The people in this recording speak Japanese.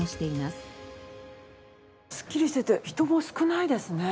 すっきりしてて人も少ないですね。